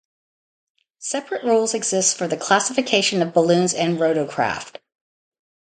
Separate rules exist for the classification of balloons and rotorcraft.